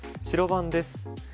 白番です。